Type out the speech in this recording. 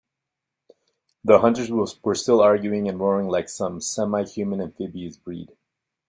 The hunters were still arguing and roaring like some semi-human amphibious breed.